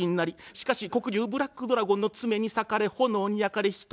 しかし黒竜ブラックドラゴンの爪に裂かれ炎に焼かれ１人減り２人減り。